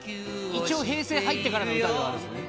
一応平成入ってからの歌ではあるんすね。